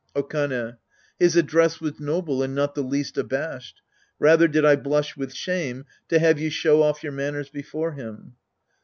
Okane. His address was noble and not the least abashed. Rather did I blush with shame to have you show off your manners before him.